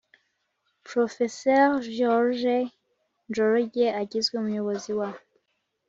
prof george njoroge agizwe umuyobozi wa